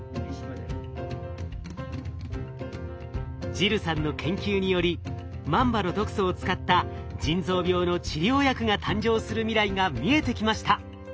ジルさんの研究によりマンバの毒素を使った腎臓病の治療薬が誕生する未来が見えてきました。